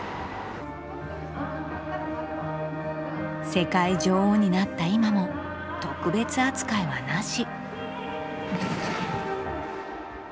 世界女王になった今も特別扱いはなし。